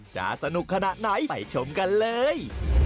จะสนุกขนาดไหนไปชมกันเลย